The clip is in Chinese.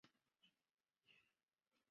已发现许多合成分子结的方式。